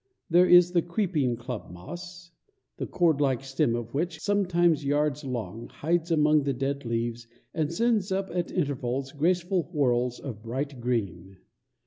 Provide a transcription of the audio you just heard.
There is the creeping club moss, the cord like stem of which, sometimes yards long, hides among the dead leaves, and sends up at intervals graceful whorls of bright green.